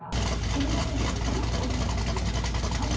国は先月、このように発表しています。